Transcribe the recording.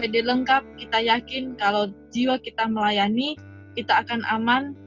tetap aman abd lengkap kita yakin kalau jiwa kita melayani kita akan aman